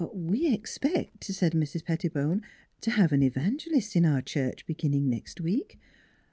" We expect," said Mrs. Pettibone, " to have an evangelist in our church beginning next week.